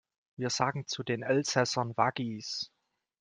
Wir sagen zu den Elsäßern Waggis.